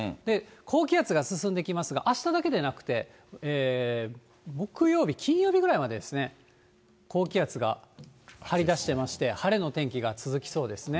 高気圧が進んできますが、あしただけでなくて、木曜日、金曜日ぐらいまでですね、高気圧が張り出してまして、晴れの天気が続きそうですね。